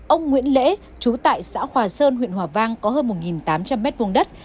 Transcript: ông nguyễn lễ trú tại xã hòa sơn huyện hòa vang có hơn một tám trăm linh m hai đất